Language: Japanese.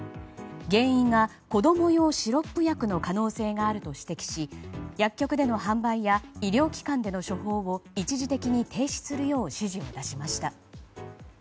原因は子供用シロップ薬の可能性があると指摘し薬局での販売や医療機関での処方を一時的に停止するよう指示を出しました。